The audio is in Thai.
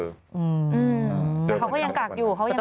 แต่เขาก็ยังกากอยู่